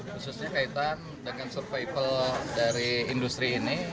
khususnya kaitan dengan survival dari industri ini